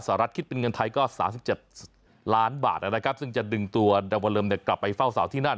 สหรัฐคิดเป็นเงินไทยก็๓๗ล้านบาทซึ่งจะดึงตัวดังว่าเริ่มกลับไปเฝ้าเสาที่นั่น